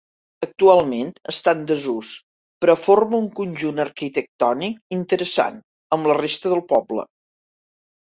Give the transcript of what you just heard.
Actualment està en desús, però forma un conjunt arquitectònic interessant amb la resta del poble.